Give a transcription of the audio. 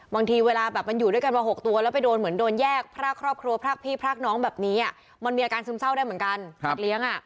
บางทีเวลาแบบมันอยู่ด้วยกันมา๖ตัวแล้วไปโดนเหมือนโดนแยกพรากครอบครัวพรากพี่พรากน้องแบบนี้มันมีอาการซึมเศร้าได้เหมือนกันสัตว์เลี้ยง